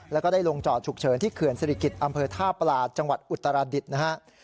แล้วก็ได้ลงจอดฉุกเฉินที่เขื่อนศิริกิจอำเภอท่าปลาจังหวัดอุตรดิษฐ์นะครับ